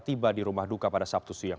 tiba di rumah duka pada sabtu siang